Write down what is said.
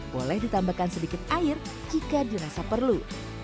boleh ditambahkan sedikit air jika dirasa perlu